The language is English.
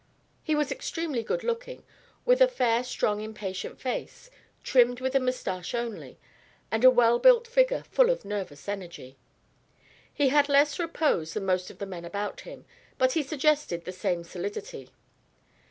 He was extremely good looking, with a fair strong impatient face, trimmed with a moustache only, and a well built figure full of nervous energy. He had less repose than most of the men about him, but he suggested the same solidity.